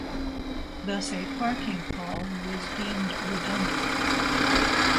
Thus a parking pawl was deemed redundant.